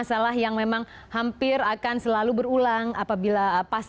kalau yang terdampak kemarin cukup banyak lah lima puluh an